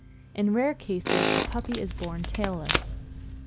In rare cases a puppy is born tailless.